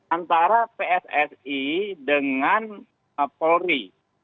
antara pssi dengan polri